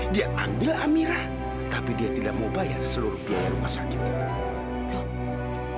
dia ambil amirah tapi dia tidak mau bayar seluruh biaya rumah sakit itu